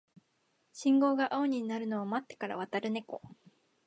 信号が青になるのを待ってから渡るネコ